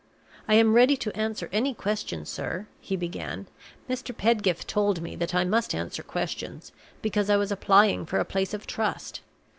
"I am ready to answer any question, sir," he began. "Mr. Pedgift told me that I must answer questions, because I was applying for a place of trust.